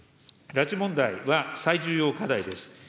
拉致問題は最重要課題です。